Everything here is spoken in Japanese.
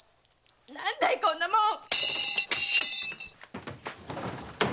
何だいこんなもん！